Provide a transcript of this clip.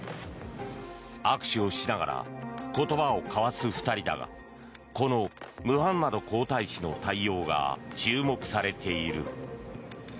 握手をしながら言葉を交わす２人だがこのムハンマド皇太子の対応が注目されている。